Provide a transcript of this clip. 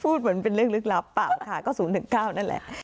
เหมือนเป็นเรื่องลึกลับค่ะก็๐๑๙นั่นแหละ